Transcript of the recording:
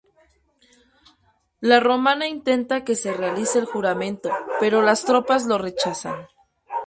La Romana intenta que se realice el juramento, pero las tropas lo rechazan.